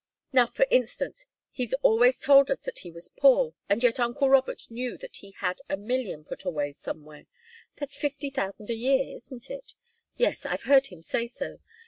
Now, for instance, he's always told us that he was poor, and yet uncle Robert knew that he had a million put away somewhere. That's fifty thousand a year, isn't it? Yes, I've heard him say so.